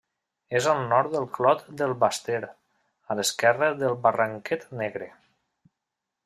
És al nord del Clot del Baster, a l'esquerra del Barranquet Negre.